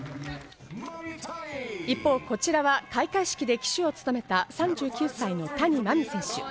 一方、こちらは開会式で旗手を務めた３９歳の谷真海選手。